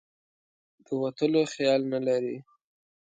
د وتلو خیال نه لري.